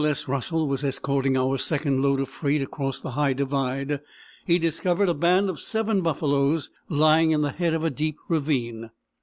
S. Russell was escorting our second load of freight across the High Divide, he discovered a band of seven buffaloes lying in the head of a deep ravine.